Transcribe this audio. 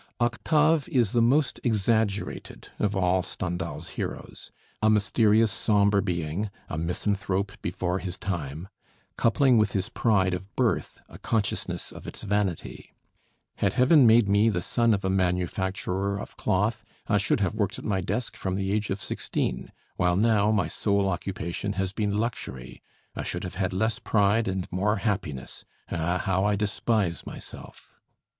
Octave is the most exaggerated of all Stendhal's heroes; a mysterious, sombre being, "a misanthrope before his time"; coupling with his pride of birth a consciousness of its vanity: "Had heaven made me the son of a manufacturer of cloth, I should have worked at my desk from the age of sixteen, while now my sole occupation has been luxury. I should have had less pride and more happiness. Ah, how I despise myself!"